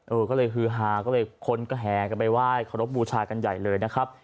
เออก็เลยฮือฮาก็เลยคนก็แห่กันไปไหว้เคารพบูชากันใหญ่เลยนะครับ